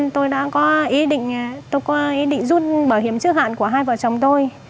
tôi có ý định rút bảo hiểm trước hạn của hai vợ chồng tôi